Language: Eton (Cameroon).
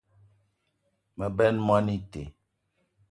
Me benn moni ite